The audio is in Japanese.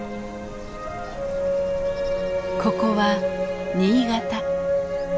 ここは新潟。